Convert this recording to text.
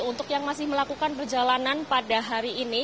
untuk yang masih melakukan perjalanan pada hari ini